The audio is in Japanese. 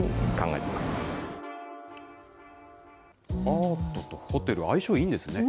アートとホテル、相性いいんですね。